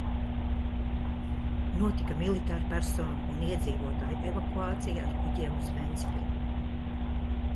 Notika militārpersonu un iedzīvotāju evakuācija ar kuģiem uz Ventspili.